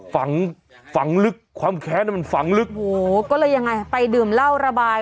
ฝังฝังลึกความแค้นมันฝังลึกโอ้โหก็เลยยังไงไปดื่มเหล้าระบาย